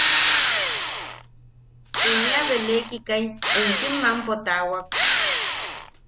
Inia belekikai enchim mampo taawak.